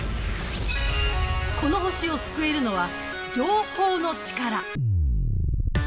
この星を救えるのは情報のチカラ。